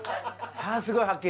すごいはっきり。